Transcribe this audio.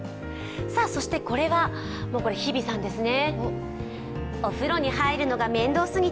そしてこれは日比さんですね。